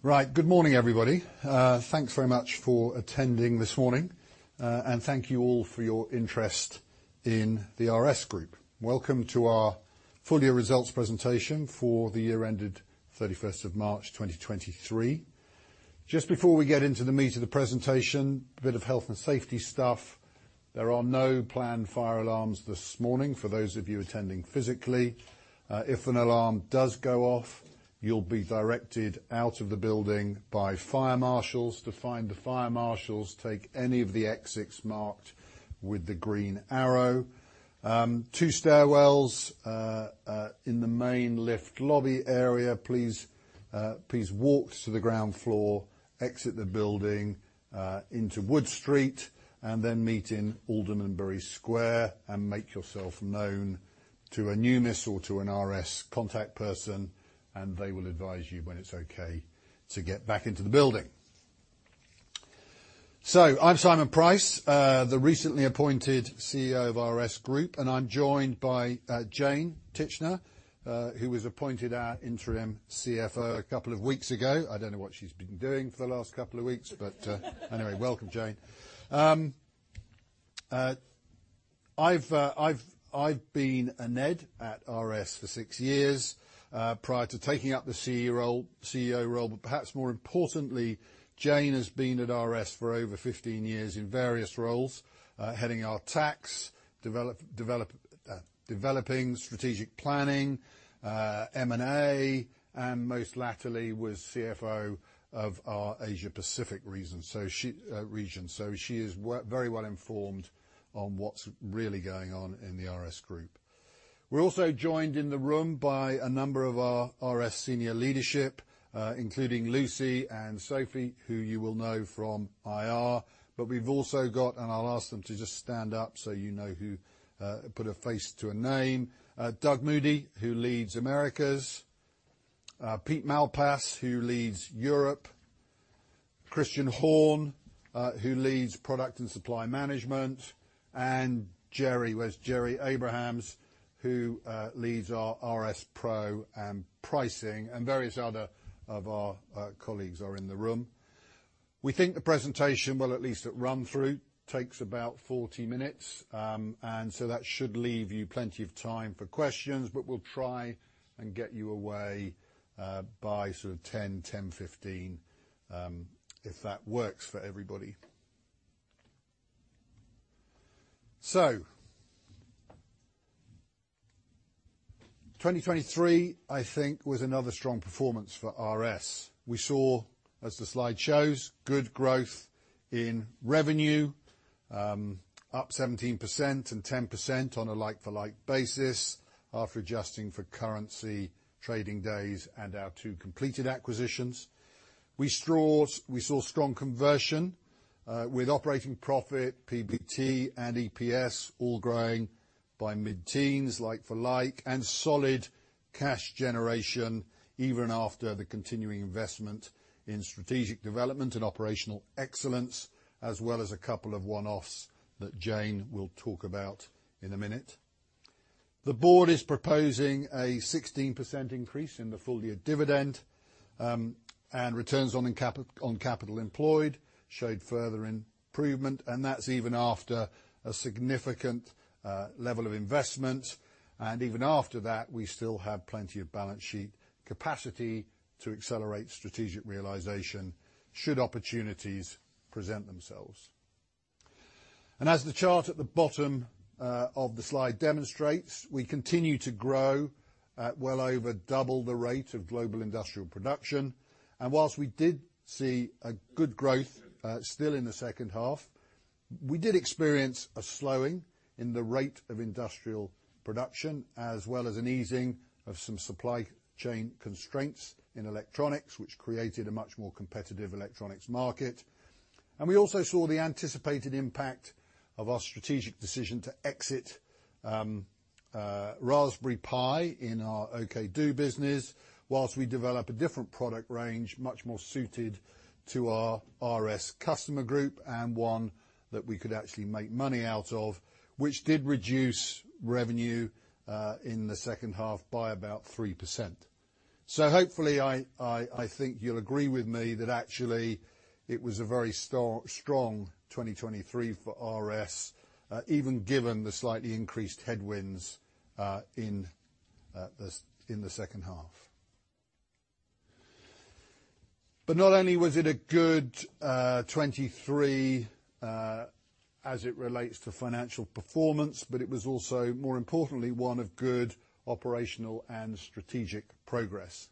Right. Good morning, everybody. Thanks very much for attending this morning. Thank you all for your interest in the RS Group. Welcome to our full year results presentation for the year ended 31st of March, 2023. Just before we get into the meat of the presentation, a bit of health and safety stuff. There are no planned fire alarms this morning, for those of you attending physically. If an alarm does go off, you'll be directed out of the building by fire marshals. To find the fire marshals, take any of the exits marked with the green arrow. Two stairwells in the main lift lobby area. Please please walk to the ground floor, exit the building into Wood Street, and then meet in Aldermanbury Square, and make yourself known to a Numis or to an RS contact person, and they will advise you when it's okay to get back into the building. I'm Simon Pryce, the recently appointed CEO of RS Group, and I'm joined by Jane Titchener, who was appointed our interim CFO a couple of weeks ago. I don't know what she's been doing for the last couple of weeks, but Anyway, welcome, Jane. I've been a NED at RS for six years prior to taking up the CEO role. Perhaps more importantly, Jane has been at RS for over 15 years in various roles, heading our tax, developing strategic planning, M&A, and most latterly was CFO of our Asia Pacific region. She is very well informed on what's really going on in the RS Group. We're also joined in the room by a number of our RS senior leadership, including Lucy and Sophie, who you will know from IR. We've also got, and I'll ask them to just stand up so you know who put a face to a name. Doug Moody, who leads Americas, Pete Malpas, who leads Europe, Christian Horn, who leads product and supply management, and Jerry. Where's Jerry Abraham, who leads our RS PRO and pricing, and various other of our colleagues are in the room. We think the presentation will at least run through, takes about 40 minutes. That should leave you plenty of time for questions, but we'll try and get you away by sort of 10:00 A.M., 10:15 A.M., if that works for everybody. 2023, I think, was another strong performance for RS. We saw, as the slide shows, good growth in revenue, up 17% and 10% on a like-for-like basis after adjusting for currency, trading days, and our 2 completed acquisitions. We saw strong conversion with operating profit, PBT and EPS all growing by mid-teens like-for-like, and solid cash generation even after the continuing investment in strategic development and operational excellence, as well as a couple of one-offs that Jane will talk about in a minute. The board is proposing a 16% increase in the full-year dividend, returns on capital employed showed further improvement, and that's even after a significant level of investment. Even after that, we still have plenty of balance sheet capacity to accelerate strategic realization should opportunities present themselves. As the chart at the bottom of the slide demonstrates, we continue to grow at well over double the rate of global industrial production. Whilst we did see a good growth still in the second half, we did experience a slowing in the rate of industrial production, as well as an easing of some supply chain constraints in electronics, which created a much more competitive electronics market. We also saw the anticipated impact of our strategic decision to exit Raspberry Pi in our OKdo business whilst we develop a different product range much more suited to our RS customer group and one that we could actually make money out of, which did reduce revenue in the second half by about 3%. So hopefully I think you'll agree with me that actually it was a very strong 2023 for RS even given the slightly increased headwinds in the second half. Not only was it a good 23 as it relates to financial performance, but it was also, more importantly, one of good operational and strategic progress.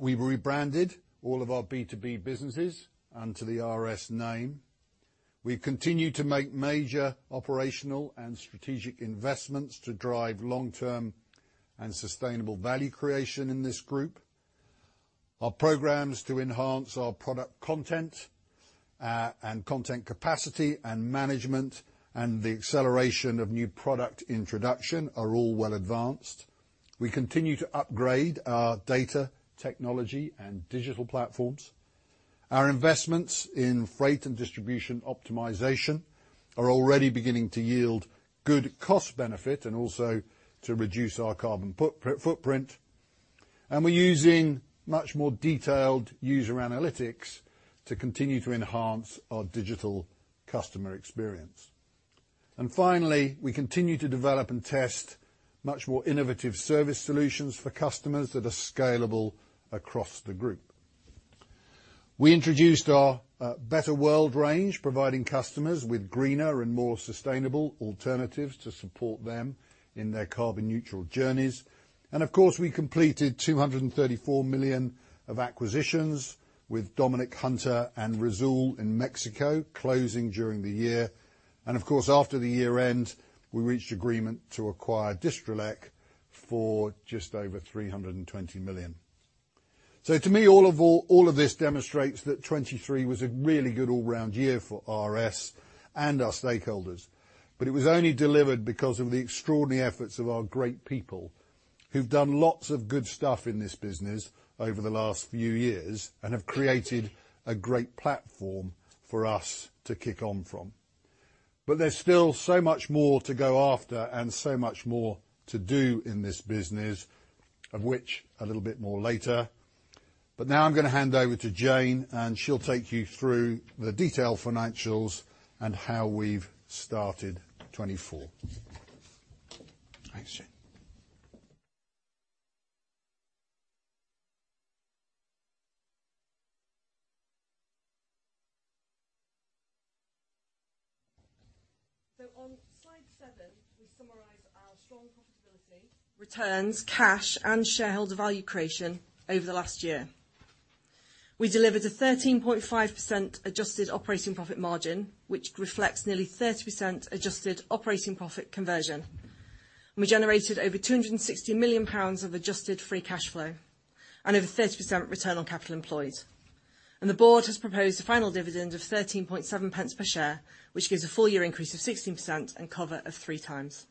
We rebranded all of our B2B businesses under the RS name. We continue to make major operational and strategic investments to drive long-term and sustainable value creation in this group. Our programs to enhance our product content and content capacity and management and the acceleration of new product introduction are all well advanced. We continue to upgrade our data technology and digital platforms. Our investments in freight and distribution optimization are already beginning to yield good cost benefit and also to reduce our carbon footprint. We're using much more detailed user analytics to continue to enhance our digital customer experience. Finally, we continue to develop and test much more innovative service solutions for customers that are scalable across the group. We introduced our Better World range, providing customers with greener and more sustainable alternatives to support them in their carbon neutral journeys. Of course, we completed 234 million of acquisitions with Domnick Hunter and Risoul in Mexico closing during the year. Of course, after the year end, we reached agreement to acquire Distrelec for just over 320 million. To me, all of this demonstrates that 2023 was a really good all round year for RS and our stakeholders. It was only delivered because of the extraordinary efforts of our great people who've done lots of good stuff in this business over the last few years, and have created a great platform for us to kick on from. There's still so much more to go after and so much more to do in this business, of which a little bit more later. Now I'm gonna hand over to Jane, and she'll take you through the detailed financials and how we've started 2024. Thanks, Jane. On slide 7, we summarize our strong profitability, returns, cash, and shareholder value creation over the last year. We delivered a 13.5% adjusted operating profit margin, which reflects nearly 30% adjusted operating profit conversion. We generated over 260 million pounds of adjusted free cash flow and over 30% return on capital employed. The board has proposed a final dividend of 13.7 per share, which gives a full year increase of 16% and cover of 3 times.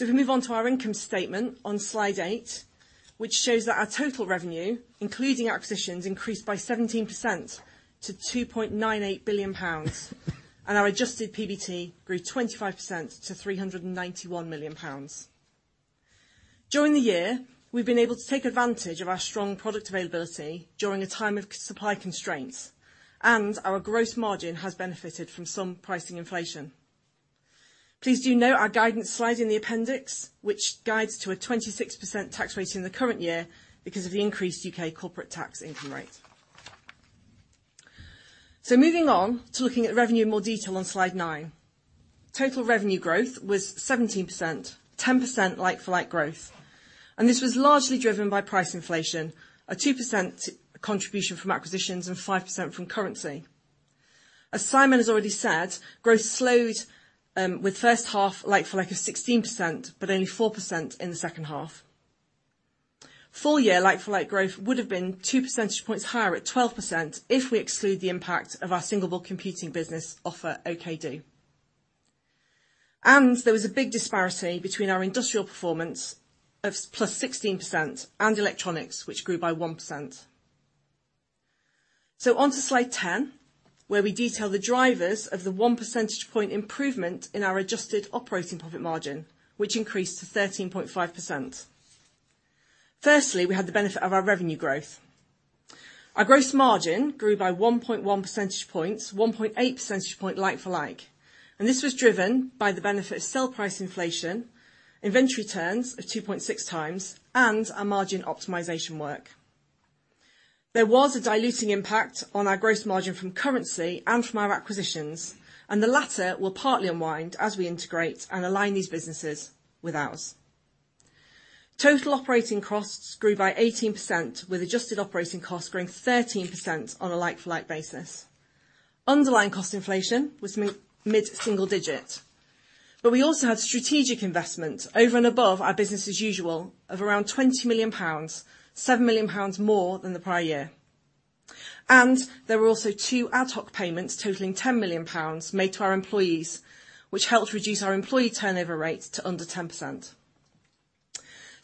If we move on to our income statement on slide 8, which shows that our total revenue, including acquisitions, increased by 17% to 2.98 billion pounds, and our adjusted PBT grew 25% to 391 million pounds. During the year, we've been able to take advantage of our strong product availability during a time of supply constraints, and our gross margin has benefited from some pricing inflation. Please do note our guidance slide in the appendix, which guides to a 26% tax rate in the current year because of the increased UK corporate tax income rate. To moving on to looking at revenue in more detail on slide 9. Total revenue growth was 17%, 10% like-for-like growth. This was largely driven by price inflation, a 2% contribution from acquisitions and 5% from currency. As Simon has already said, growth slowed with first half like-for-like of 16%, but only 4% in the second half. Full year like-for-like growth would have been 2 percentage points higher at 12% if we exclude the impact of our single-board computing business of OKdo. There was a big disparity between our industrial performance of plus 16% and electronics, which grew by 1%. On to slide 10, where we detail the drivers of the 1 percentage point improvement in our adjusted operating profit margin, which increased to 13.5%. Firstly, we had the benefit of our revenue growth. Our gross margin grew by 1.1 percentage points, 1.8 percentage point like-for-like. This was driven by the benefit of sell price inflation, inventory turns of 2.6 times, and our margin optimization work. The latter will partly unwind as we integrate and align these businesses with ours. Total operating costs grew by 18%, with adjusted operating costs growing 13% on a like-for-like basis. Underlying cost inflation was mid single digit. We also had strategic investment over and above our business as usual of around 20 million pounds, 7 million pounds more than the prior year. There were also two ad hoc payments totaling 10 million pounds made to our employees, which helped reduce our employee turnover rates to under 10%.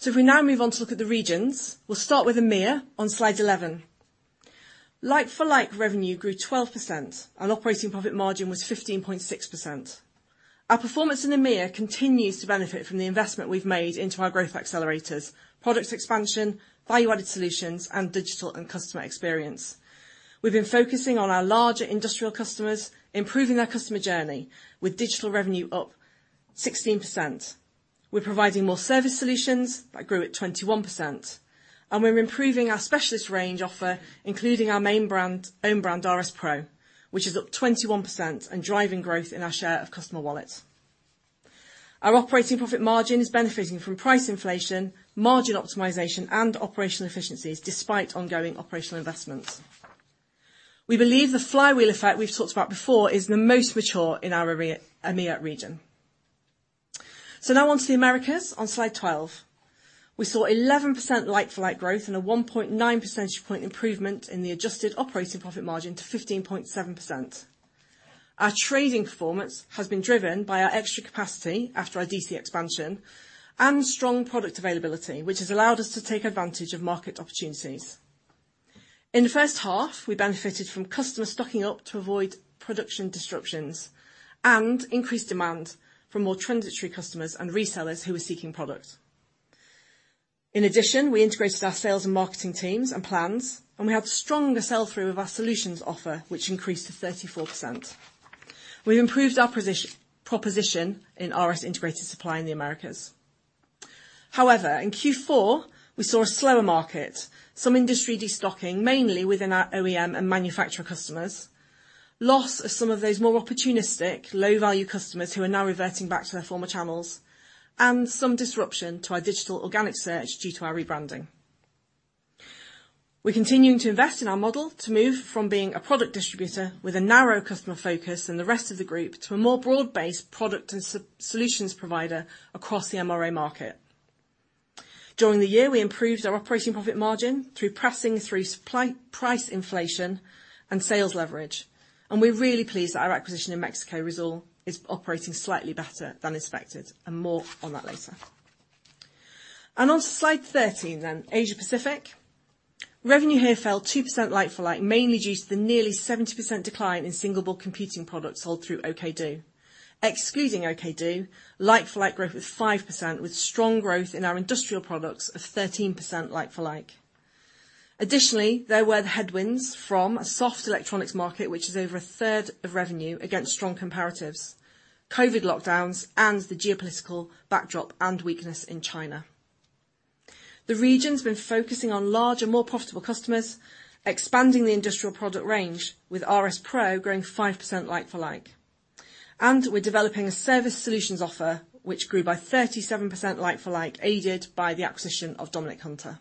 If we now move on to look at the regions, we'll start with EMEIA on slide 11. Like-for-like revenue grew 12% and operating profit margin was 15.6%. Our performance in EMEIA continues to benefit from the investment we've made into our growth accelerators, products expansion, value-added solutions, and digital and customer experience. We've been focusing on our larger industrial customers, improving their customer journey with digital revenue up 16%. We're providing more service solutions that grew at 21%, and we're improving our specialist range offer, including our own brand, RS PRO, which is up 21% and driving growth in our share of customer wallet. Our operating profit margin is benefiting from price inflation, margin optimization, and operational efficiencies despite ongoing operational investments. We believe the flywheel effect we've talked about before is the most mature in our EMEIA region. Now on to the Americas on slide 12. We saw 11% like-for-like growth and a 1.9 percentage point improvement in the adjusted operating profit margin to 15.7%. Our trading performance has been driven by our extra capacity after our DC expansion and strong product availability, which has allowed us to take advantage of market opportunities. In the first half, we benefited from customer stocking up to avoid production disruptions and increased demand from more transitory customers and resellers who were seeking products. In addition We integrated our sales and marketing teams and plans, we had stronger sell-through of our solutions offer, which increased to 34%. We've improved our proposition in RS Integrated Supply in the Americas. However, in Q4, we saw a slower market, some industry destocking, mainly within our OEM and manufacturer customers, loss of some of those more opportunistic low-value customers who are now reverting back to their former channels, and some disruption to our digital organic search due to our rebranding. We continuing to invest in our model to move from being a product distributor with a narrow customer focus than the rest of the group, to a more broad-based product and solutions provider across the MRO market. During the year, we improved our operating profit margin through pressing through supply price inflation and sales leverage, and we're really pleased that our acquisition in Mexico, Risoul, is operating slightly better than expected, and more on that later. On slide 13 then, Asia Pacific. Revenue here fell 2% like-for-like, mainly due to the nearly 70% decline in single-board computing products sold through OKdo. Excluding OKdo, like-for-like growth was 5%, with strong growth in our industrial products of 13% like-for-like. Additionally, there were the headwinds from a soft electronics market, which is over a third of revenue against strong comparatives, COVID lockdowns, and the geopolitical backdrop and weakness in China. The region's been focusing on larger, more profitable customers, expanding the industrial product range with RS PRO growing 5% like-for-like. We're developing a service solutions offer, which grew by 37% like-for-like, aided by the acquisition of Domnick Hunter-RL.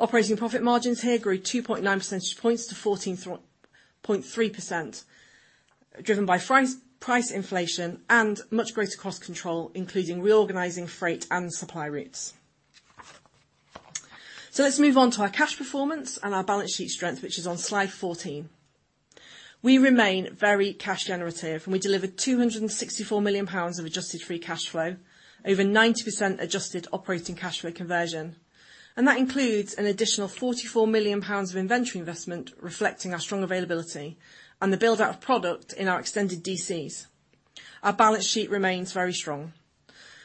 Operating profit margins here grew 2.9 percentage points to 14.3%, driven by price inflation and much greater cost control, including reorganizing freight and supply routes. Let's move on to our cash performance and our balance sheet strength, which is on slide 14. We remain very cash generative, and we delivered 264 million pounds of adjusted free cash flow, over 90% adjusted operating cash flow conversion. That includes an additional 44 million pounds of inventory investment reflecting our strong availability and the build-out of product in our extended DCs. Our balance sheet remains very strong.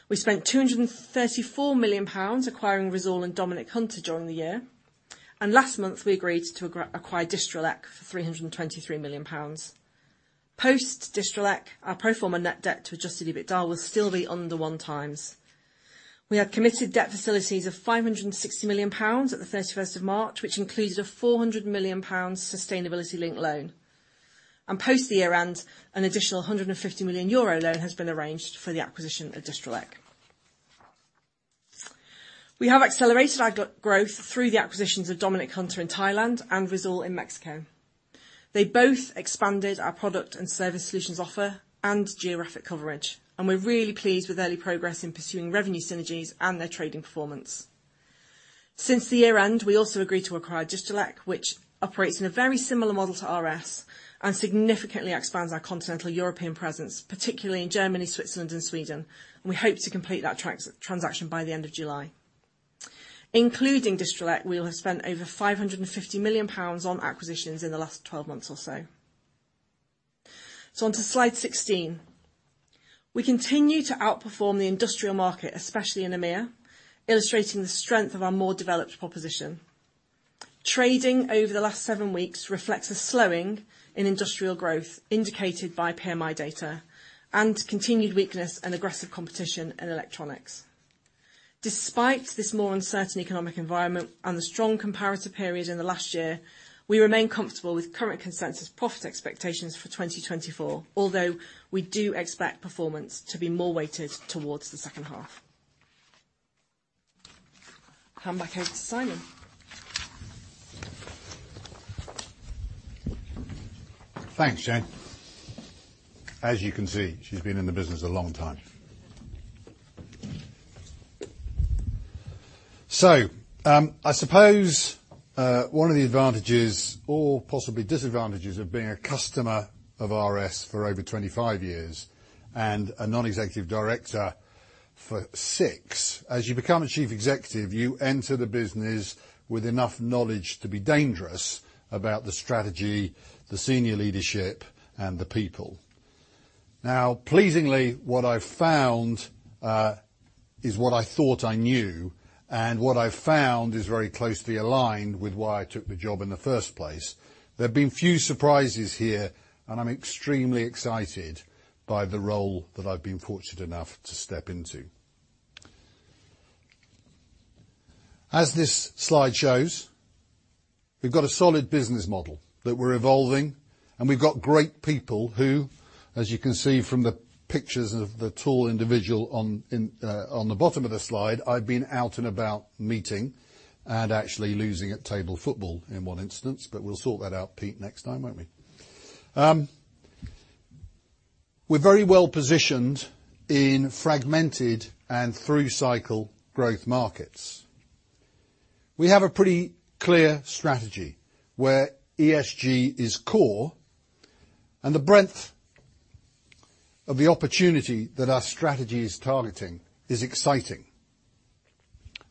We spent 234 million pounds acquiring Risoul and Domnick Hunter-RL during the year. Last month, we agreed to acquire Distrelec for 323 million pounds. Post-Distrelec, our pro forma net debt to adjusted EBITDA will still be under 1 times. We have committed debt facilities of 560 million pounds at the 31st of March, which included a 400 million pounds sustainability-linked loan. Post the year-end, an additional 150 million euro loan has been arranged for the acquisition of Distrelec. We have accelerated our growth through the acquisitions of Domnick Hunter-RL in Thailand and Risoul in Mexico. They both expanded our product and service solutions offer and geographic coverage, and we're really pleased with early progress in pursuing revenue synergies and their trading performance. Since the year-end, we also agreed to acquire Distrelec, which operates in a very similar model to RS and significantly expands our continental European presence, particularly in Germany, Switzerland, and Sweden, and we hope to complete that transaction by the end of July. Including Distrelec, we'll have spent over 550 million pounds on acquisitions in the last 12 months or so. On to slide 16. We continue to outperform the industrial market, especially in EMEIA, illustrating the strength of our more developed proposition. Trading over the last seven weeks reflects a slowing in industrial growth indicated by PMI data and continued weakness and aggressive competition in electronics. Despite this more uncertain economic environment and the strong comparative period in the last year, we remain comfortable with current consensus profit expectations for 2024, although we do expect performance to be more weighted towards the second half. Hand back over to Simon. Thanks, Jane. As you can see, she's been in the business a long time. I suppose, one of the advantages or possibly disadvantages of being a customer of RS for over 25 years and a non-executive director for six, as you become a chief executive, you enter the business with enough knowledge to be dangerous about the strategy, the senior leadership, and the people. Now pleasingly, what I've found is what I thought I knew, and what I've found is very closely aligned with why I took the job in the first place. There have been few surprises here, and I'm extremely excited by the role that I've been fortunate enough to step into. As this slide shows, we've got a solid business model that we're evolving. We've got great people who, as you can see from the pictures of the tall individual on in, on the bottom of the slide, I've been out and about meeting and actually losing at table football in 1 instance. We'll sort that out, Pete, next time, won't we? We're very well-positioned in fragmented and through-cycle growth markets. We have a pretty clear strategy where ESG is core. The breadth of the opportunity that our strategy is targeting is exciting.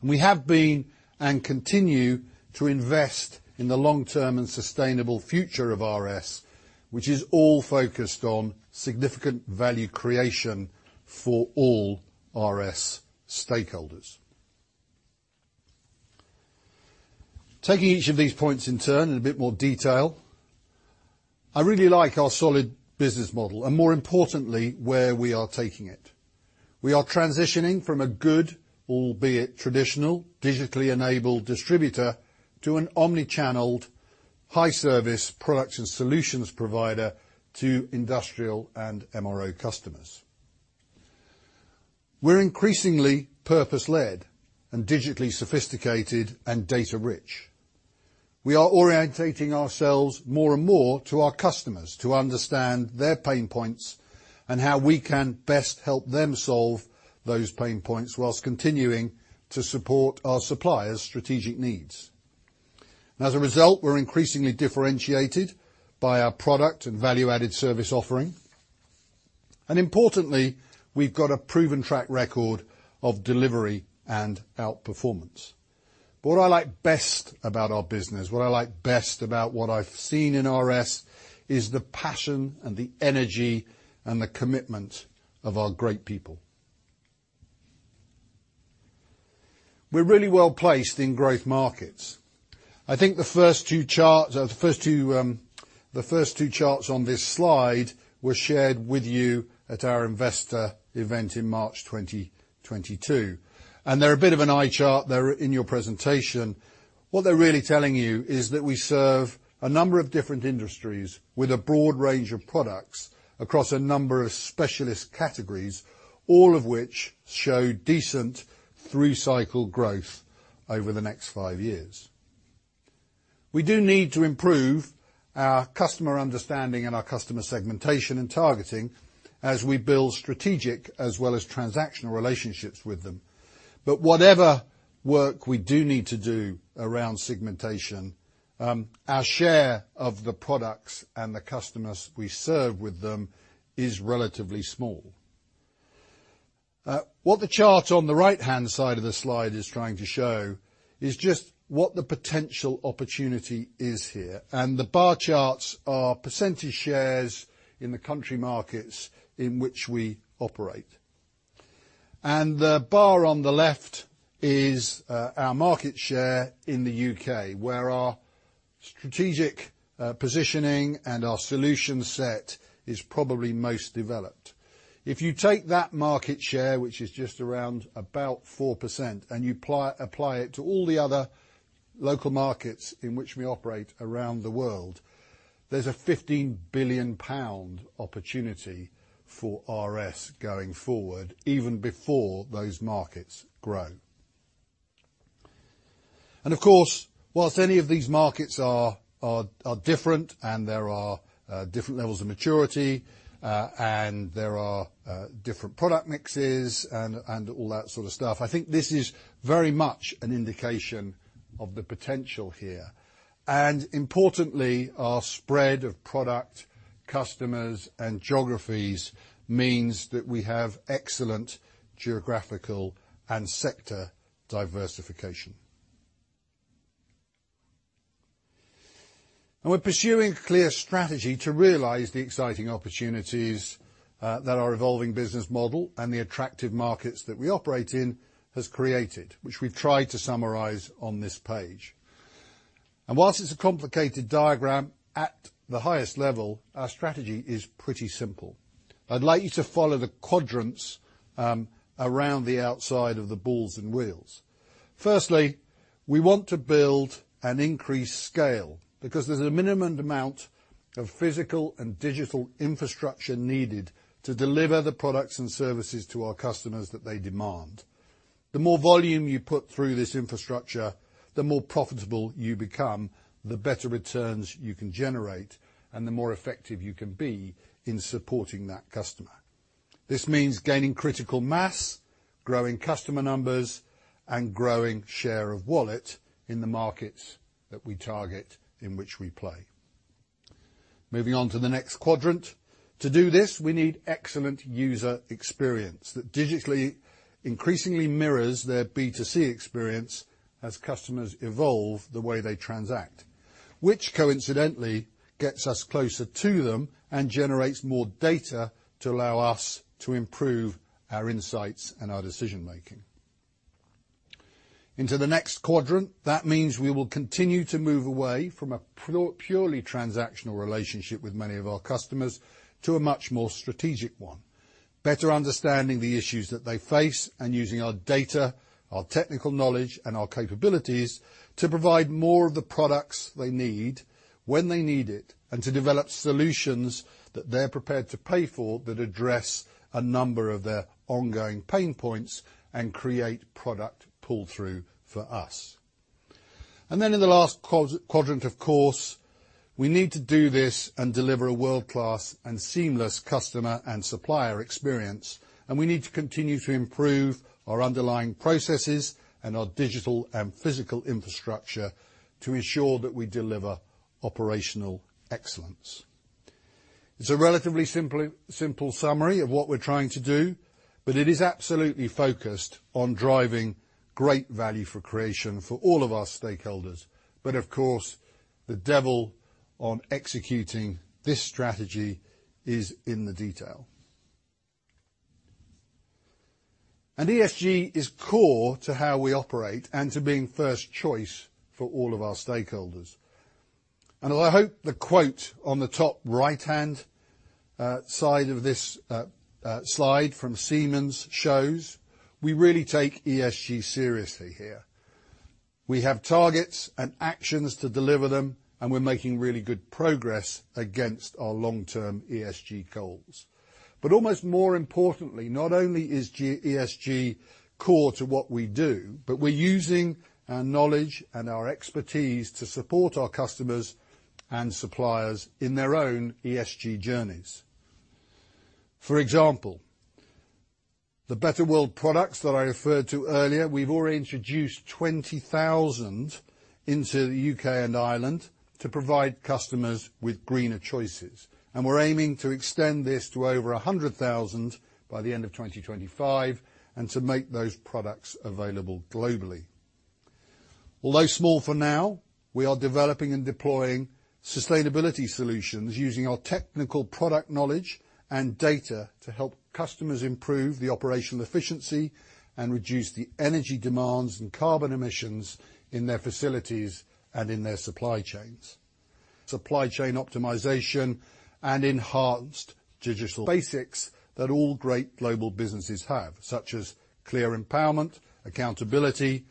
We have been and continue to invest in the long-term and sustainable future of RS, which is all focused on significant value creation for all RS stakeholders. Taking each of these points in turn in a bit more detail, I really like our solid business model and more importantly, where we are taking it. We are transitioning from a good, albeit traditional, digitally enabled distributor to an omnichanneled high service production solutions provider to industrial and MRO customers. We're increasingly purpose-led and digitally sophisticated and data rich. We are orienting ourselves more and more to our customers to understand their pain points and how we can best help them solve those pain points whilst continuing to support our suppliers' strategic needs. As a result, we're increasingly differentiated by our product and value-added service offering. Importantly, we've got a proven track record of delivery and outperformance. What I like best about our business, what I like best about what I've seen in RS is the passion and the energy and the commitment of our great people. We're really well-placed in growth markets. I think the first two charts on this slide were shared with you at our investor event in March 2022. They're a bit of an eye chart. They're in your presentation. What they're really telling you is that we serve a number of different industries with a broad range of products across a number of specialist categories, all of which show decent through cycle growth over the next five years. We do need to improve our customer understanding and our customer segmentation and targeting as we build strategic as well as transactional relationships with them, but whatever work we do need to do around segmentation, our share of the products and the customers we serve with them is relatively small. What the chart on the right-hand side of the slide is trying to show is just what the potential opportunity is here. The bar charts are percentage shares in the country markets in which we operate, and the bar on the left is our market share in the U.K., where our strategic positioning and our solution set is probably most developed. If you take that market share, which is just around about 4%, and you apply it to all the other local markets in which we operate around the world, there's a 15 billion pound opportunity for RS going forward, even before those markets grow. Of course, whilst any of these markets are different and there are different levels of maturity, and there are different product mixes and all that sort of stuff, I think this is very much an indication of the potential here. Importantly, our spread of product, customers, and geographies means that we have excellent geographical and sector diversification. We're pursuing clear strategy to realize the exciting opportunities that our evolving business model and the attractive markets that we operate in has created, which we've tried to summarize on this page. Whilst it's a complicated diagram, at the highest level, our strategy is pretty simple. I'd like you to follow the quadrants around the outside of the balls and wheels. Firstly, we want to build an increased scale because there's a minimum amount of physical and digital infrastructure needed to deliver the products and services to our customers that they demand. The more volume you put through this infrastructure, the more profitable you become, the better returns you can generate, and the more effective you can be in supporting that customer. This means gaining critical mass, growing customer numbers, and growing share of wallet in the markets that we target in which we play. Moving on to the next quadrant. To do this, we need excellent user experience that digitally, increasingly mirrors their B2C experience as customers evolve the way they transact, which coincidentally gets us closer to them and generates more data to allow us to improve our insights and our decision-making. Into the next quadrant. That means we will continue to move away from a purely transactional relationship with many of our customers to a much more strategic one. Better understanding the issues that they face and using our data, our technical knowledge, and our capabilities to provide more of the products they need when they need it and to develop solutions that they're prepared to pay for that address a number of their ongoing pain points and create product pull-through for us. In the last quadrant, of course. We need to do this and deliver a world-class and seamless customer and supplier experience, and we need to continue to improve our underlying processes and our digital and physical infrastructure to ensure that we deliver operational excellence. It's a relatively simple summary of what we're trying to do, but it is absolutely focused on driving great value for creation for all of our stakeholders. Of course, the devil on executing this strategy is in the detail. ESG is core to how we operate and to being first choice for all of our stakeholders. I hope the quote on the top right-hand side of this slide from Siemens shows we really take ESG seriously here. We have targets and actions to deliver them, and we're making really good progress against our long-term ESG goals. Almost more importantly, not only is ESG core to what we do, but we're using our knowledge and our expertise to support our customers and suppliers in their own ESG journeys. For example, the Better World products that I referred to earlier, we've already introduced 20,000 into the U.K. and Ireland to provide customers with greener choices, and we're aiming to extend this to over 100,000 by the end of 2025, and to make those products available globally. Although small for now, we are developing and deploying sustainability solutions using our technical product knowledge and data to help customers improve the operational efficiency and reduce the energy demands and carbon emissions in their facilities and in their supply chains. Supply chain optimization and enhanced digital basics that all great global businesses have, such as clear empowerment, accountability,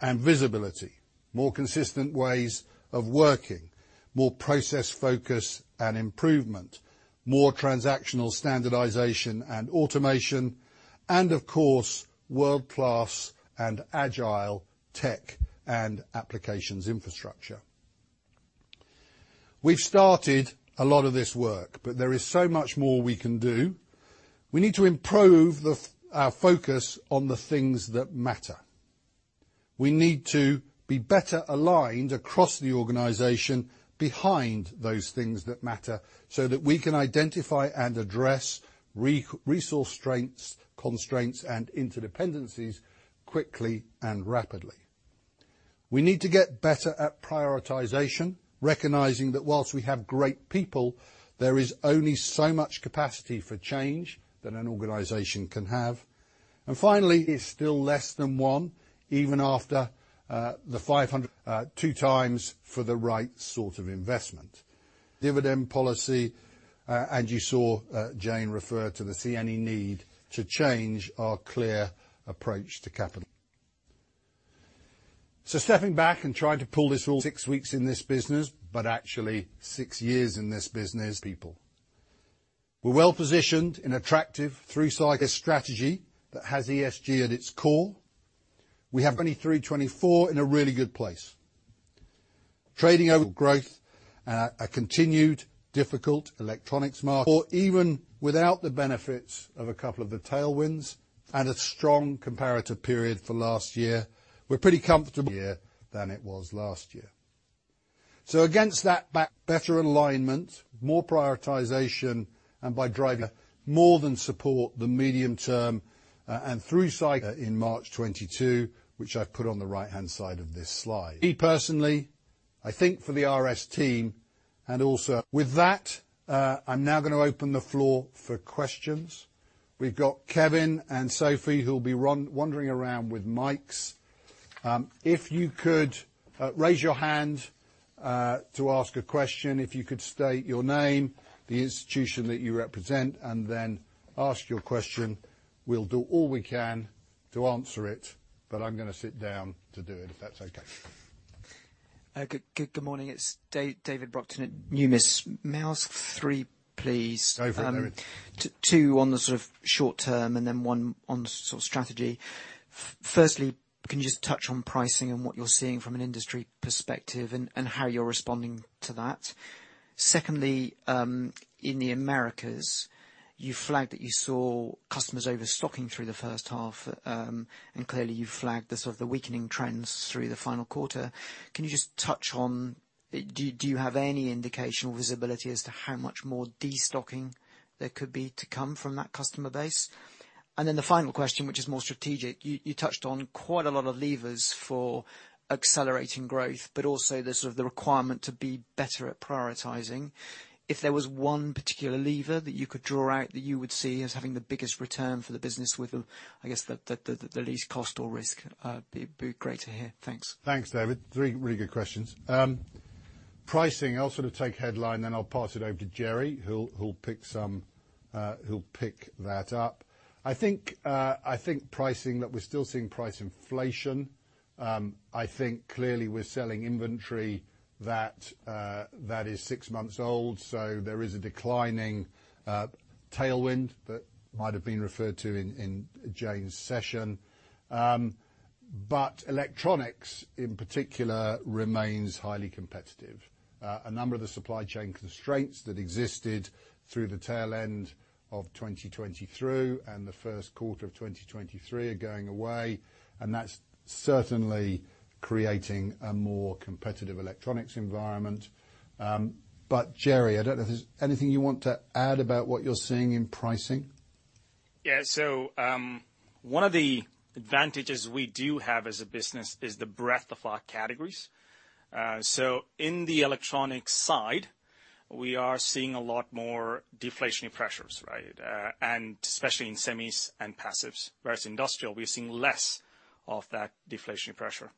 and visibility. More consistent ways of working, more process focus and improvement, more transactional standardization and automation, and of course, world-class and agile tech and applications infrastructure. We've started a lot of this work, there is so much more we can do. We need to improve our focus on the things that matter. We need to be better aligned across the organization behind those things that matter so that we can identify and address re-resource strengths, constraints, and interdependencies quickly and rapidly. We need to get better at prioritization, recognizing that whilst we have great people, there is only so much capacity for change that an organization can have. Finally, is still less than 1 even after 2 times for the right sort of investment. Dividend policy, you saw Jane refer to the CNE need to change our clear approach to capital. Stepping back and trying to pull this all 6 weeks in this business, actually 6 years in this business people. We're well-positioned in attractive through cycle strategy that has ESG at its core. We have 2023, 2024 in a really good place. Trading over growth, a continued difficult electronics market. Even without the benefits of a couple of the tailwinds and a strong comparative period for last year, we're pretty comfortable here than it was last year. Against that back better alignment, more prioritization and by driving more than support the medium term, and through cycle in March 2022, which I've put on the right-hand side of this slide. Me personally, I think for the RS team and also... With that, I'm now gonna open the floor for questions. We've got Kevin and Sophie who'll be wandering around with mics. If you could raise your hand to ask a question, if you could state your name, the institution that you represent, and then ask your question. We'll do all we can to answer it, but I'm gonna sit down to do it, if that's okay. Good morning. It's David Brockton at Numis. May I ask three, please? Go for it, David. 2 on the sort of short term, and then 1 on sort of strategy. Firstly, can you just touch on pricing and what you're seeing from an industry perspective and how you're responding to that? Secondly, in the Americas, you flagged that you saw customers overstocking through the first half, and clearly you flagged the sort of the weakening trends through the final quarter. Can you just touch on, do you have any indication or visibility as to how much more destocking there could be to come from that customer base? The final question, which is more strategic, you touched on quite a lot of levers for accelerating growth, but also the sort of the requirement to be better at prioritizing. If there was one particular lever that you could draw out that you would see as having the biggest return for the business with the, I guess, the least cost or risk, be great to hear. Thanks. Thanks, David. Three really good questions. Pricing, I'll sort of take headline, then I'll pass it over to Jerry, who'll pick some, who'll pick that up. I think, I think pricing, that we're still seeing price inflation. I think clearly we're selling inventory that is six months old, so there is a declining tailwind that might have been referred to in Jane's session, but electronics in particular remains highly competitive. A number of the supply chain constraints that existed through the tail end of 2020 through and the first quarter of 2023 are going away, and that's certainly creating a more competitive electronics environment. Jerry, I don't know if there's anything you want to add about what you're seeing in pricing. Yes so, one of the advantages we do have as a business is the breadth of our categories. In the electronic side, we are seeing a lot more deflationary pressures, right?, and especially in semis and passives, whereas industrial, we're seeing less of that deflation pressure.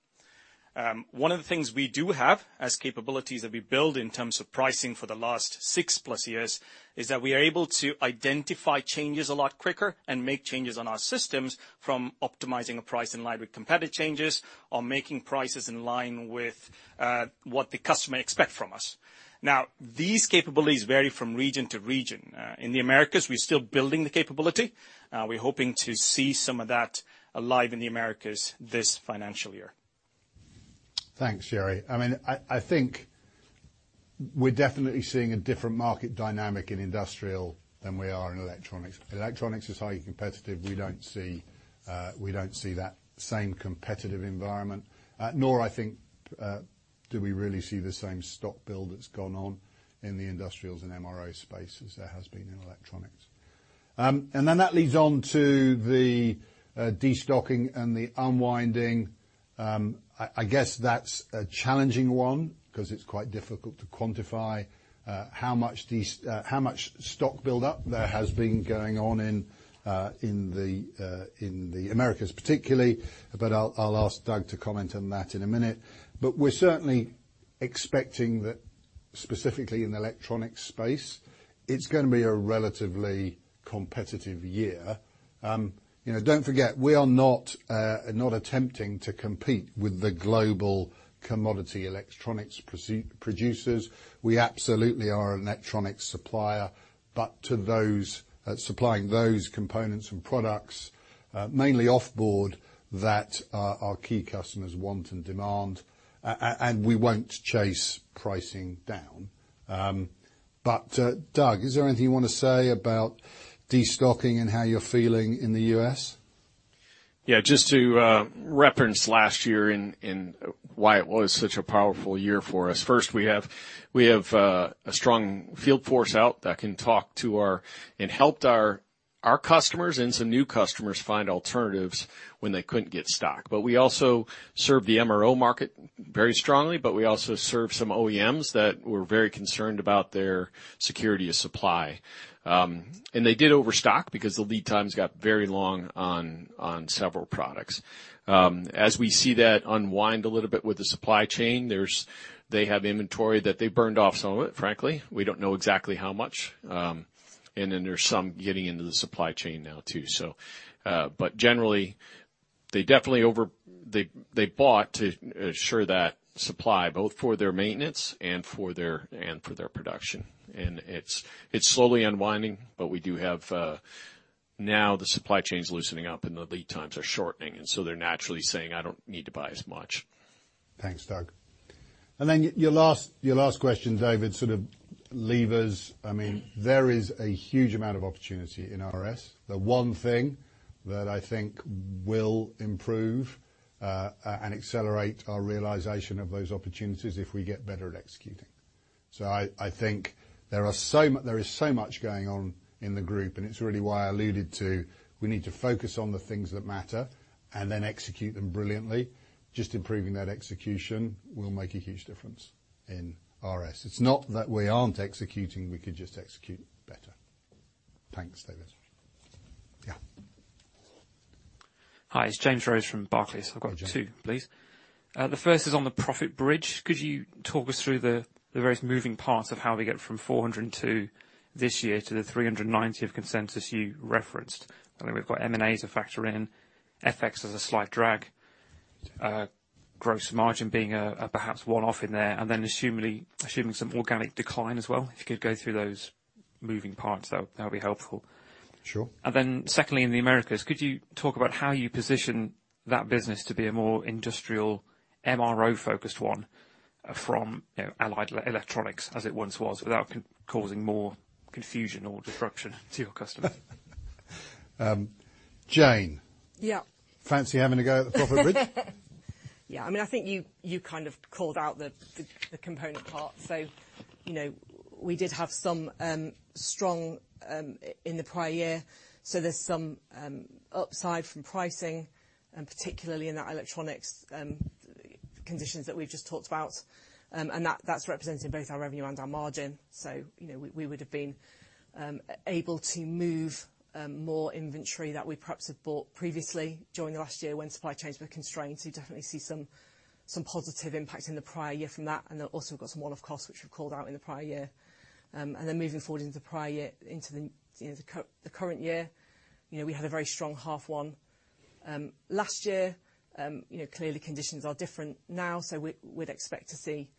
One of the things we do have as capabilities that we build in terms of pricing for the last 6 plus years, is that we are able to identify changes a lot quicker and make changes on our systems from optimizing a price in line with competitive changes or making prices in line with what the customer expect from us. These capabilities vary from region to region. In the Americas, we're still building the capability. We're hoping to see some of that alive in the Americas this financial year. Thanks, Jerry. I mean, I think we're definitely seeing a different market dynamic in industrial than we are in electronics. Electronics is highly competitive. We don't see that same competitive environment, nor I think, do we really see the same stock build that's gone on in the industrials and MRO spaces as there has been in electronics. That leads on to the destocking and the unwinding. I guess that's a challenging one 'cause it's quite difficult to quantify how much stock buildup there has been going on in the Americas particularly, but I'll ask Doug to comment on that in a minute. We're certainly expecting that specifically in the electronics space, it's gonna be a relatively competitive year. You know, don't forget, we are not attempting to compete with the global commodity electronics producers. We absolutely are an electronics supplier, but to those supplying those components and products, mainly off board that our key customers want and demand. We won't chase pricing down. Doug, is there anything you wanna say about destocking and how you're feeling in the U.S.? Just to reference last year and why it was such a powerful year for us. First, we have a strong field force out that can talk to our, and helped our customers and some new customers find alternatives when they couldn't get stock. We also serve the MRO market very strongly, but we also serve some OEMs that were very concerned about their security of supply. They did overstock because the lead times got very long on several products. As we see that unwind a little bit with the supply chain, they have inventory that they burned off some of it, frankly. We don't know exactly how much. There's some getting into the supply chain now too. But generally, they definitely bought to ensure that supply, both for their maintenance and for their production. It's slowly unwinding, but we do have now the supply chain's loosening up and the lead times are shortening, so they're naturally saying, "I don't need to buy as much. Thanks, Doug. Your last question, David, sort of leave us, I mean, there is a huge amount of opportunity in RS. The one thing that I think will improve and accelerate our realization of those opportunities if we get better at executing. I think there is so much going on in the group, and it's really why I alluded to, we need to focus on the things that matter and then execute them brilliantly. Just improving that execution will make a huge difference in RS. It's not that we aren't executing, we could just execute better. Thanks, David. Yeah. Hi, it's James Rose from Barclays. Hi, James. I've got two, please. The first is on the profit bridge. Could you talk us through the various moving parts of how we get from 402 this year to the 390 of consensus you referenced? I think we've got M&A to factor in, FX as a slight drag, gross margin being a perhaps one-off in there, and then assuming some organic decline as well. If you could go through those moving parts, that would be helpful. Sure. Then secondly, in the Americas, could you talk about how you position that business to be a more industrial MRO-focused one from, you know, Allied Electronics as it once was, without causing more confusion or disruption to your customers? Jane. Yeah. Fancy having a go at the profit bridge? Yeah. I mean, I think you kind of called out the component part. You know, we did have some strong in the prior year, so there's some upside from pricing, and particularly in that electronics conditions that we've just talked about. That, that's represented in both our revenue and our margin. You know, we would have been able to move more inventory that we perhaps had bought previously during last year when supply chains were constrained. You definitely see some positive impact in the prior year from that. Also we've got some one-off costs which we've called out in the prior year. Moving forward into the prior year, into the, you know, the current year, you know, we had a very strong half one. Last year, you know, clearly conditions are different now, so we'd expect to see,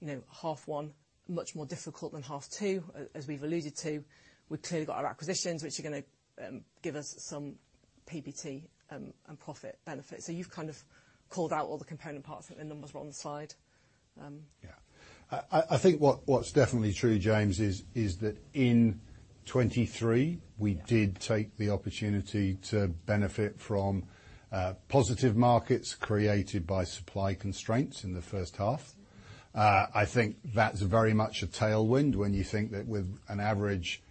you know, half one much more difficult than half two. As we've alluded to, we've clearly got our acquisitions, which are gonna give us some PBT and profit benefits. You've kind of called out all the component parts, but the numbers are on the slide. Yeah, I think what's definitely true, James, is that in 2023 we did take the opportunity to benefit from positive markets created by supply constraints in the first half. I think that's very much a tailwind when you think that with an average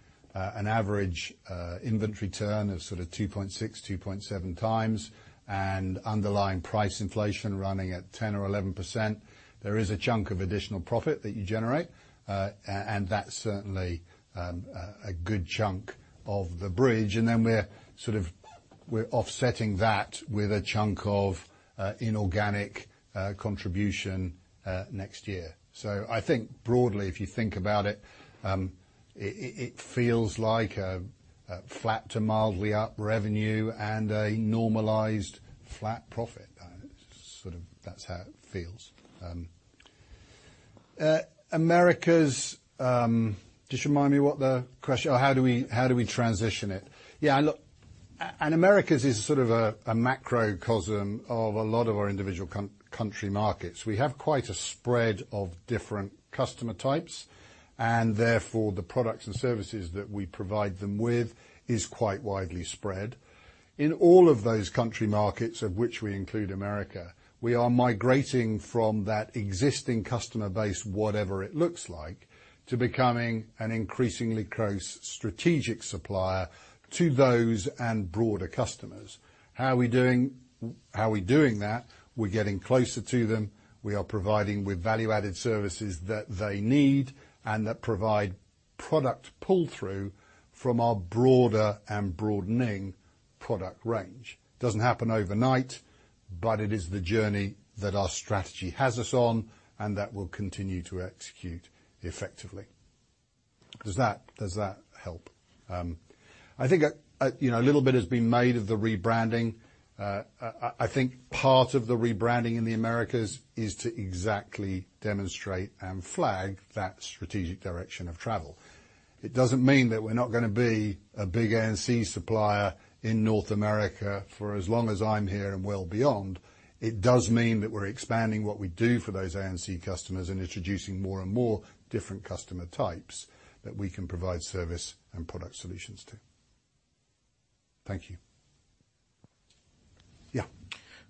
inventory turn of sort of 2.6-2.7 times and underlying price inflation running at 10% or 11%, there is a chunk of additional profit that you generate. That's certainly a good chunk of the bridge, and then we're sort of. We're offsetting that with a chunk of inorganic contribution next year. I think broadly, if you think about it feels like a flat to mildly up revenue and a normalized flat profit. Sort of that's how it feels. Americas, just remind me how do we transition it? Yeah, look, Americas is sort of a macrocosm of a lot of our individual country markets. We have quite a spread of different customer types, and therefore, the products and services that we provide them with is quite widely spread. In all of those country markets, of which we include America, we are migrating from that existing customer base, whatever it looks like, to becoming an increasingly close strategic supplier to those and broader customers. How we doing? How are we doing that? We're getting closer to them. We are providing with value-added services that they need and that provide product pull-through from our broader and broadening product range. Doesn't happen overnight, but it is the journey that our strategy has us on, and that we'll continue to execute effectively. Does that help? I think, you know, a little bit has been made of the rebranding. I think part of the rebranding in the Americas is to exactly demonstrate and flag that strategic direction of travel. It doesn't mean that we're not gonna be a big A&C supplier in North America for as long as I'm here and well beyond. It does mean that we're expanding what we do for those A&C customers and introducing more and more different customer types that we can provide service and product solutions to. Thank you.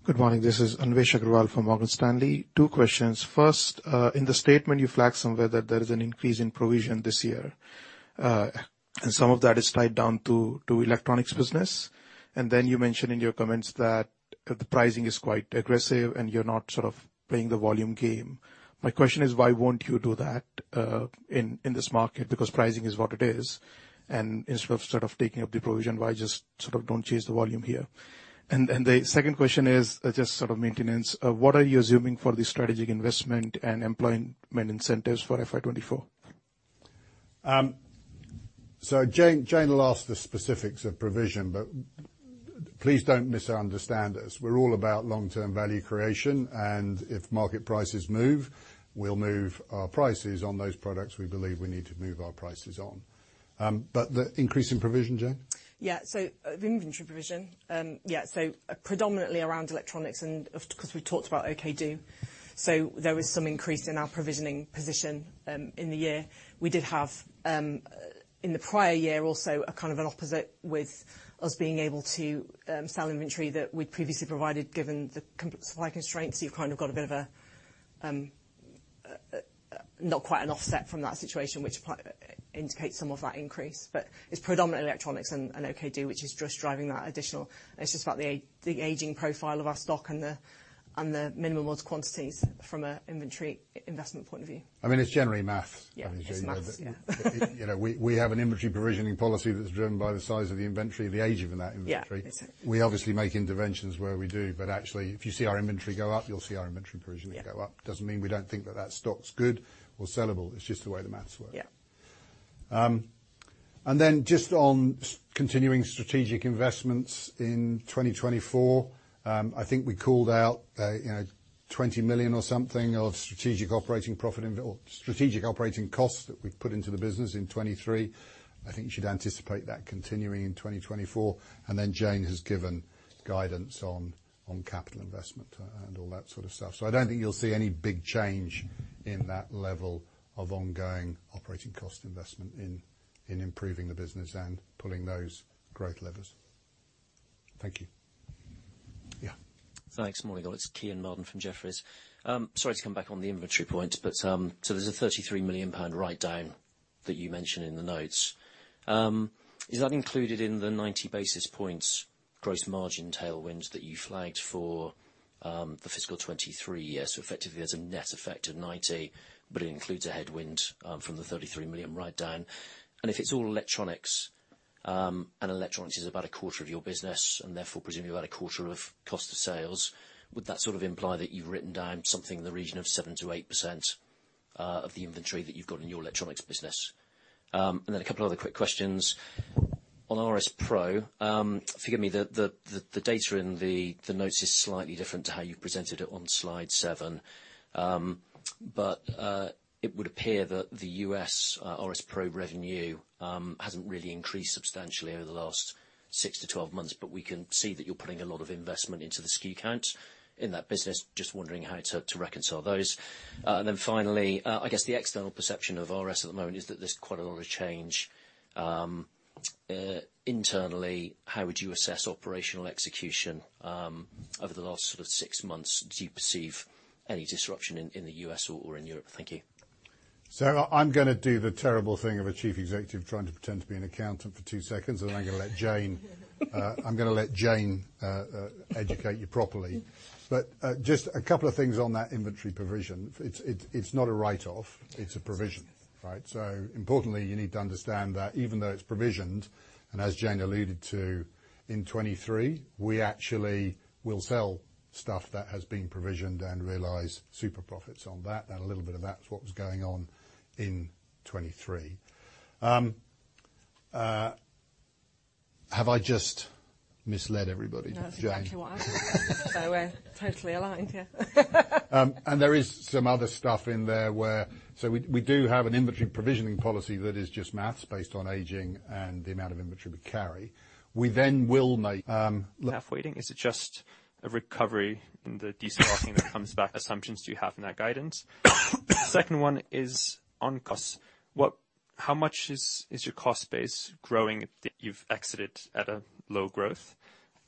Yeah. Good morning. This is Anvesh Agrawal from Morgan Stanley. Two questions. First, in the statement, you flagged somewhere that there is an increase in provision this year. And some of that is tied down to electronics business. Then you mentioned in your comments that the pricing is quite aggressive, and you're not sort of playing the volume game. My question is, why won't you do that in this market? Pricing is what it is, and instead of sort of taking up the provision, why just sort of don't change the volume here? The second question is just sort of maintenance. What are you assuming for the strategic investment and employment incentives for FY 2024? Jane will ask the specifics of provision, please don't misunderstand us. We're all about long-term value creation, and if market prices move, we'll move our prices on those products we believe we need to move our prices on. The increase in provision, Jane. Yeah so Inventory provision, predominantly around electronics because we talked about OKdo. There was some increase in our provisioning position in the year. We did have in the prior year also a kind of an opposite with us being able to sell inventory that we'd previously provided, given the Supply constraints, you've kind of got a bit of a not quite an offset from that situation, which part indicates some of that increase, but It's predominantly electronics and OKdo, which is just driving that additional. It's just about the aging profile of our stock and the minimum ordered quantities from an inventory investment point of view. I mean, it's generally math. Yeah. It's math. Yeah. You know, we have an inventory provisioning policy that's driven by the size of the inventory, the age of that inventory. Yeah. We obviously make interventions where we do, but actually if you see our inventory go up, you'll see our inventory provision go up. Yeah. Doesn't mean we don't think that that stock's good or sellable. It's just the way the math work. Yeah. Just on continuing strategic investments in 2024, I think we called out 20 million or something of strategic operating profit or strategic operating costs that we've put into the business in 2023. I think you should anticipate that continuing in 2024. Jane has given guidance on capital investment and all that sort of stuff. I don't think you'll see any big change in that level of ongoing operating cost investment in improving the business and pulling those growth levers. Thank you. Yeah. Thanks. Morning all. It's Kean Marden from Jefferies. Sorry to come back on the inventory point, but there's a 33 million pound write down that you mentioned in the notes. Is that included in the 90 basis points gross margin tailwind that you flagged for the fiscal 2023 year? Effectively, there's a net effect of 90, but it includes a headwind from the 33 million write down. If it's all electronics, and electronics is about a quarter of your business, and therefore presumably about a quarter of cost of sales, would that sort of imply that you've written down something in the region of 7%-8% of the inventory that you've got in your electronics business? Then a couple other quick questions. On RS PRO, forgive me, the data in the notes is slightly different to how you presented it on slide 7. It would appear that the U.S., RS PRO revenue hasn't really increased substantially over the last 6-12 months, but we can see that you're putting a lot of investment into the SKU count. In that business. Just wondering how to reconcile those. Finally, I guess the external perception of RS at the moment is that there's quite a lot of change internally. How would you assess operational execution over the last sort of 6 months? Do you perceive any disruption in the U.S. or in Europe? Thank you. So I'm gonna do the terrible thing of a chief executive trying to pretend to be an accountant for 2 seconds. Then I'm gonna let Jane Titchener educate you properly. Just a couple of things on that inventory provision. It's not a write-off, it's a provision, right? Importantly, you need to understand that even though it's provisioned, and as Jane Titchener alluded to, in 2023, we actually will sell stuff that has been provisioned and realize super profits on that. A little bit of that's what was going on in 2023. Have I just misled everybody, Jane Titchener? No, that's exactly what I said. We're totally aligned, yeah. There is some other stuff in there where, so we do have an inventory provisioning policy that is just math based on aging and the amount of inventory we carry. We then will make. -half waiting? Is it just a recovery in the de-stocking that comes back assumptions do you have in that guidance? Second one is on costs. How much is your cost base growing that you've exited at a low growth?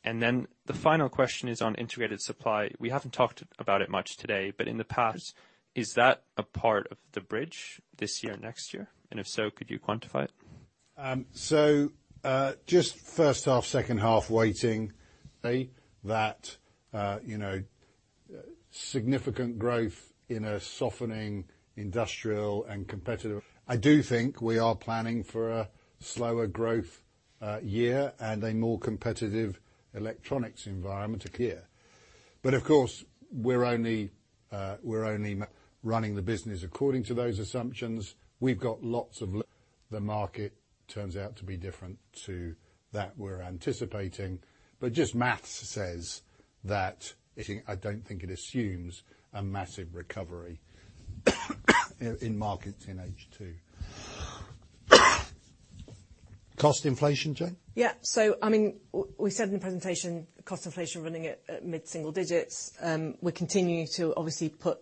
The final question is on integrated supply. We haven't talked about it much today, but in the past, is that a part of the bridge this year, next year? If so, could you quantify it? Just first half, second half waiting, okay, that, you know, significant growth in a softening industrial and competitive. I do think we are planning for a slower growth year and a more competitive electronics environment here. Of course, we're only running the business according to those assumptions. We've got lots of the market turns out to be different to that we're anticipating. Just maths says that it, I don't think it assumes a massive recovery, you know, in markets in H2. Cost inflation, Jane? I mean, we said in the presentation, cost inflation running at mid-single digits. We're continuing to obviously put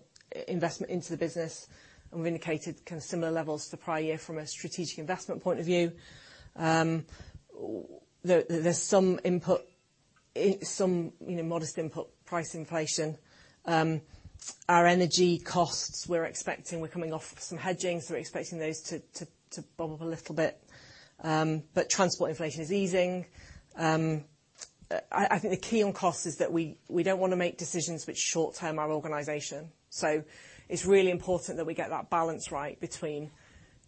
investment into the business, we've indicated kind of similar levels to prior year from a strategic investment point of view. There's some input, some, you know, modest input price inflation. Our energy costs, we're expecting, we're coming off some hedgings. We're expecting those to bump up a little bit. Transport inflation is easing. I think the key on cost is that we don't wanna make decisions which short-term our organization. So It's really important that we get that balance right between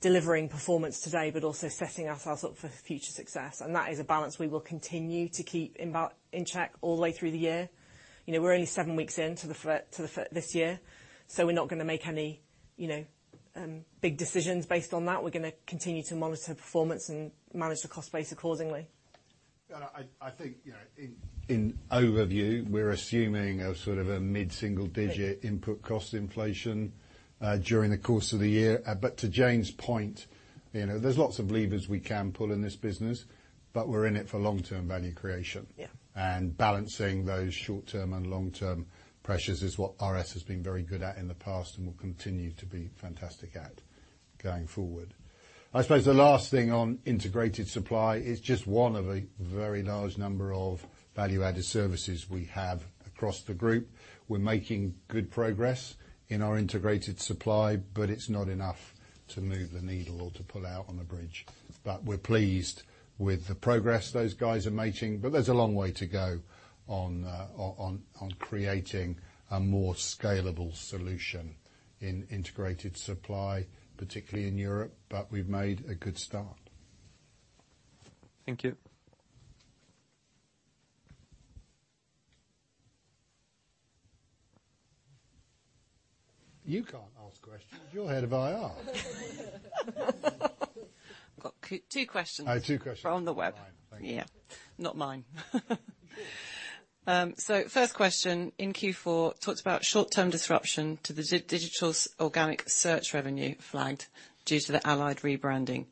delivering performance today, also setting ourselves up for future success. That is a balance we will continue to keep in check all the way through the year. You know, we're only seven weeks in to this year, so we're not gonna make any, you know, big decisions based on that. We're gonna continue to monitor performance and manage the cost base accordingly. I think, you know, in overview, we're assuming a sort of a mid-single digit input cost inflation during the course of the year. To Jane's point, you know, there's lots of levers we can pull in this business, we're in it for long-term value creation. Yeah. Balancing those short-term and long-term pressures is what RS has been very good at in the past and will continue to be fantastic at going forward. I suppose the last thing on Integrated Supply is just one of a very large number of value-added services we have across the group. We're making good progress in our Integrated Supply, but it's not enough to move the needle or to pull out on the bridge, but we're pleased with the progress those guys are making, but there's a long way to go on creating a more scalable solution in Integrated Supply, particularly in Europe. We've made a good start. Thank you. You can't ask questions, you're head of IR. I've got two questions. All right, two questions. From the web. Fine. Thank you. Yeah. Not mine. First question in Q4 talked about short-term disruption to the digital organic search revenue flagged due to the Allied rebranding.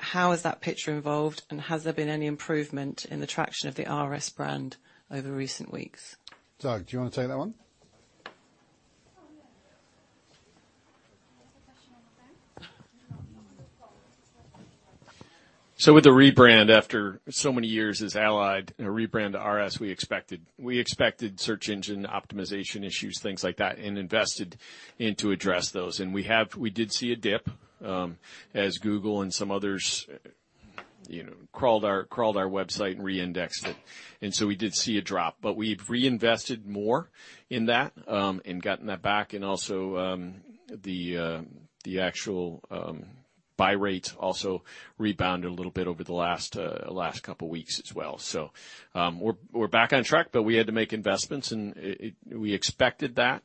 How has that picture evolved and has there been any improvement in the traction of the RS brand over recent weeks? Doug, do you wanna take that one? With the rebrand, after so many years as Allied, you know, rebrand to RS, we expected search engine optimization issues, things like that, and invested in to address those. We did see a dip as Google and some others, you know, crawled our website and re-indexed it. We did see a drop. We've reinvested more in that and gotten that back. The actual buy rate also rebounded a little bit over the last couple weeks as well. We're back on track, but we had to make investments and it, we expected that.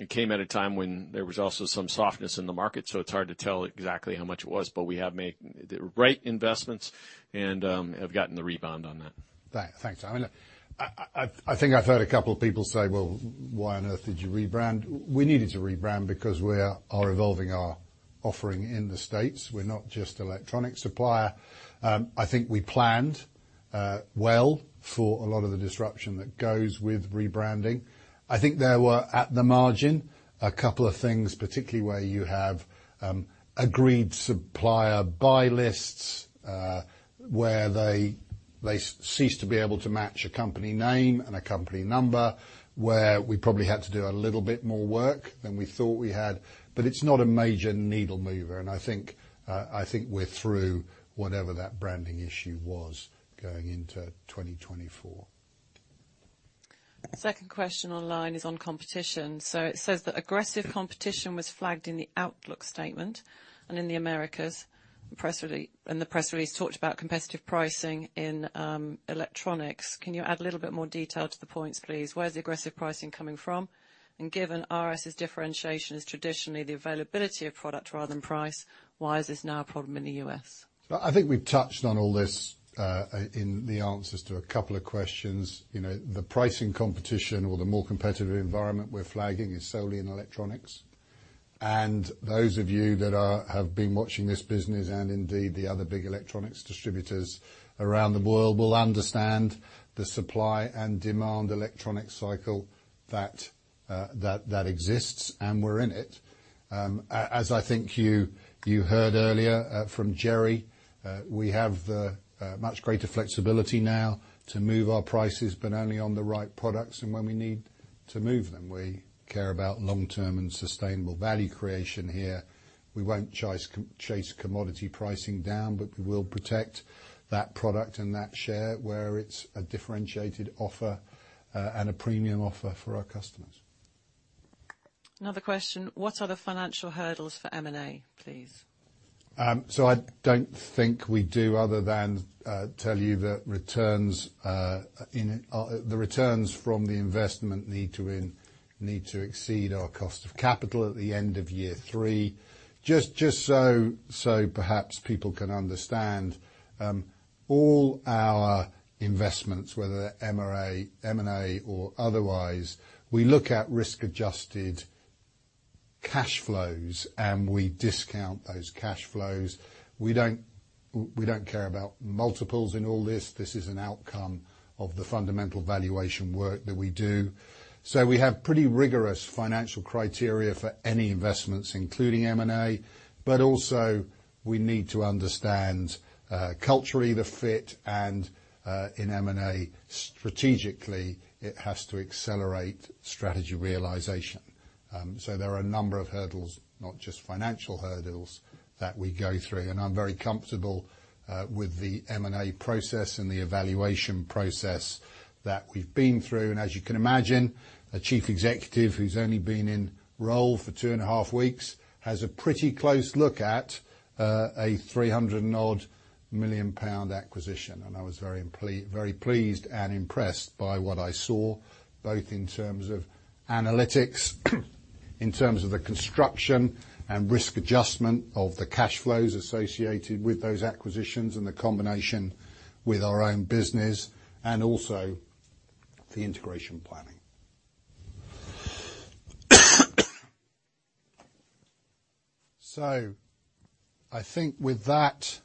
It came at a time when there was also some softness in the market, so it's hard to tell exactly how much it was. We have made the right investments and have gotten the rebound on that. Thanks. I mean, I think I've heard a couple of people say, "Well, why on earth did you rebrand?" We needed to rebrand because we are evolving our offering in the States. We're not just electronic supplier. I think we planned well for a lot of the disruption that goes with rebranding. I think there were, at the margin, a couple of things, particularly where you have agreed supplier buy lists, where they ceased to be able to match a company name and a company number, where we probably had to do a little bit more work than we thought we had. It's not a major needle mover, and I think we're through whatever that branding issue was going into 2024. Second question online is on competition. It says that aggressive competition was flagged in the outlook statement and in the Americas. The press release talked about competitive pricing in electronics. Can you add a little bit more detail to the points, please? Where's the aggressive pricing coming from? Given RS's differentiation is traditionally the availability of product rather than price, why is this now a problem in the U.S.? I think we've touched on all this in the answers to a couple of questions. You know, the pricing competition or the more competitive environment we're flagging is solely in electronics. Those of you that have been watching this business and indeed the other big electronics distributors around the world will understand the supply and demand electronic cycle that exists, and we're in it. As I think you heard earlier from Jerry, we have much greater flexibility now to move our prices, but only on the right products and when we need to move them. We care about long-term and sustainable value creation here. We won't chase commodity pricing down, but we will protect that product and that share where it's a differentiated offer and a premium offer for our customers. Another question. What are the financial hurdles for M&A, please? I don't think we do other than tell you the returns, the returns from the investment need to exceed our cost of capital at the end of year three. Perhaps people can understand, all our investments, whether M&A or otherwise, we look at risk-adjusted cash flows, and we discount those cash flows. We don't care about multiples in all this. This is an outcome of the fundamental valuation work that we do. We have pretty rigorous financial criteria for any investments, including M&A, but also we need to understand culturally the fit and in M&A, strategically, it has to accelerate strategy realization. There are a number of hurdles, not just financial hurdles, that we go through. I'm very comfortable with the M&A process and the evaluation process that we've been through. As you can imagine, a chief executive who's only been in role for two and a half weeks has a pretty close look at a 300 odd million acquisition. I was very pleased and impressed by what I saw, both in terms of analytics, in terms of the construction and risk adjustment of the cash flows associated with those acquisitions and the combination with our own business, and also the integration planning. I think with that,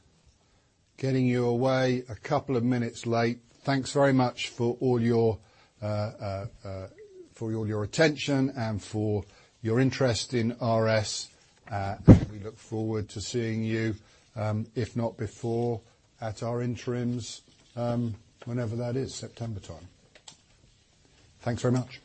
getting you away a couple of minutes late. Thanks very much for all your attention and for your interest in RS. We look forward to seeing you, if not before, at our interims, whenever that is, September time. Thanks very much.